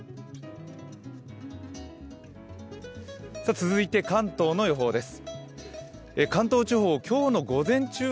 続いて関東の予報です。